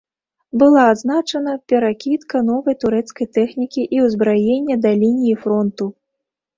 Была адзначана перакідка новай турэцкай тэхнікі і ўзбраення да лініі фронту.